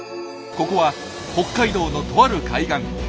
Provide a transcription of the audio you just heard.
ここは北海道のとある海岸。